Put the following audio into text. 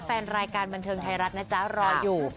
แฟนรายการบันเทิงไทยรัฐนะจ๊ะรออยู่